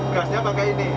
gasnya pakai ini